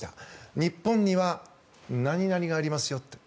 日本には○○がありますよと。